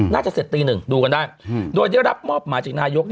น่าจะเสร็จตี๑ดูกันได้โดยที่ก็รับมอบมาจากนายก